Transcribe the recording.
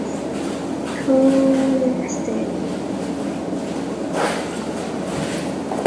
后唐是中国五代时期的政权之一。